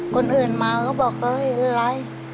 คนอื่นมาเขาบอกเอออะไร